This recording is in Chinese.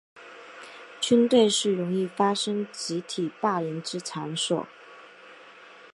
军队是容易发生集体霸凌之场所。